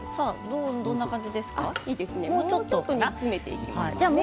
もうちょっと煮詰めていきます。